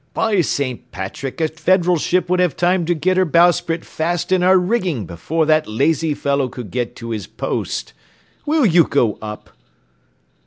By St. Patrick, a Federal ship would have time to get her bowsprit fast in our rigging before that lazy fellow could get to his post. Will you go up?"